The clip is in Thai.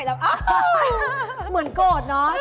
เหมือนโกรธเนอะ